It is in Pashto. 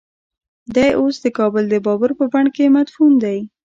دی اوس د کابل د بابر په بڼ کې مدفون دی.